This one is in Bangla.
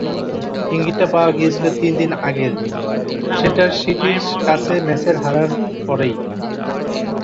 ইঙ্গিতটা পাওয়া গিয়েছিল তিন দিন আগের লেস্টার সিটির কাছে ম্যাচে হারার পরেই।